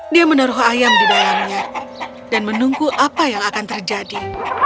dia menaruh ayam di dalamnya dan menunggu apa yang akan terjadi